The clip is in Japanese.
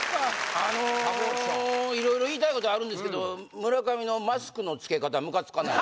あの色々言いたいことあるんですけど村上のマスクのつけ方ムカつかない？